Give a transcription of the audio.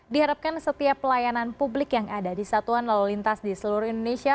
diharapkan setiap pelayanan publik yang ada di satuan lalu lintas di seluruh indonesia